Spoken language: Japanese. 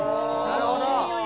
なるほど。